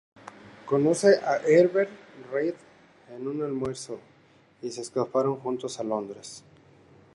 Conoce a Herbert Read en un almuerzo y se escaparon juntos a Londres.